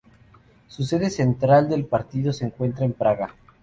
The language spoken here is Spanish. La sede central del partido se encuentra en Praga.